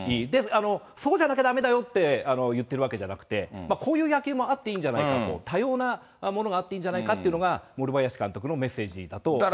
そうじゃなきゃだめだよって言ってるわけじゃなくて、こういう野球もあっていいんじゃないかと、多様なものがあっていいんじゃないかというのが森林監督のメッセージだと思います。